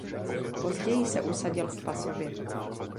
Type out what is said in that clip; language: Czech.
Později se usadil v Pasově.